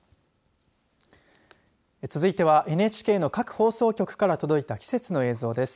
続いてはＮＨＫの各放送局から届いた季節の映像です。